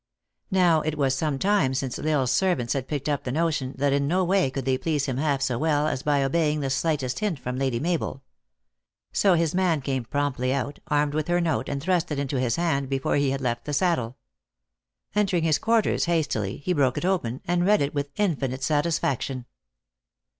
Now, it was some time since L Isle s servants had picked up the notion, that in no way could they please him half so well as by obeying the slightest hint from Lady Mabel. So his man came promptly out, armed with her note, and thrust it into his hand before he had left the saddle. Entering his quarters hastily, he broke it open, and read it with infinite satisfaction.